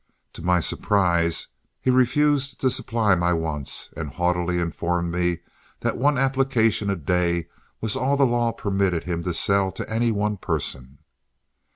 To my surprise he refused to supply my wants, and haughtily informed me that one application a day was all the law permitted him to sell to any one person.